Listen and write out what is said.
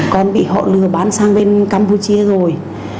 con bị họ lừa bán sang campuchia rồi